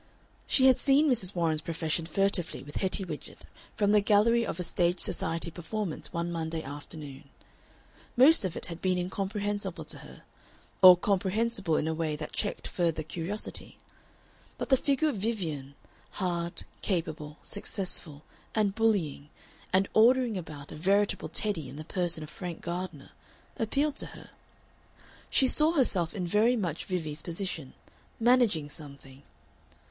She had seen Mrs. Warren's Profession furtively with Hetty Widgett from the gallery of a Stage Society performance one Monday afternoon. Most of it had been incomprehensible to her, or comprehensible in a way that checked further curiosity, but the figure of Vivien, hard, capable, successful, and bullying, and ordering about a veritable Teddy in the person of Frank Gardner, appealed to her. She saw herself in very much Vivie's position managing something.